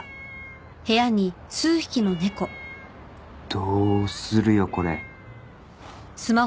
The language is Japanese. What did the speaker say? どうするよこれ。